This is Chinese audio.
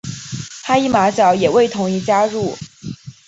哈伊马角也未同意加入。